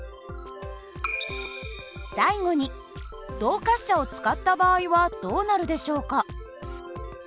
最後に動滑車を使った場合はどうなるでしょうか。